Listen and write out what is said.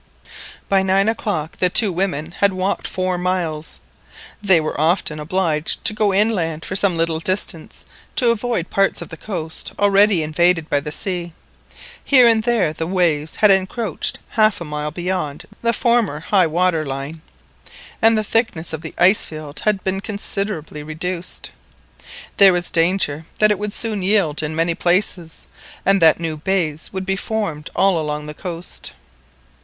By nine o'clock the two women had walked four miles. They were often obliged to go inland for some little distance, to avoid parts of the coast already invaded by the sea. Here and there the waves had encroached half a mile beyond the former high water line, and the thickness of the ice field had been considerably reduced. There was danger that it would soon yield in many places, and that new bays would be formed all along the coast.